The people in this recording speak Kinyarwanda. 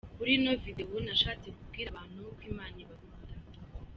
Kuri ino Video nashatse kubwira abantu ko Imana ibakunda.